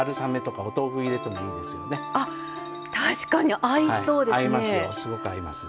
あっ確かに合いそうですね。